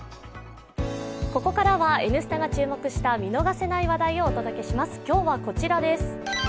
ここからは「Ｎスタ」が注目した見逃せない話題をお届けします。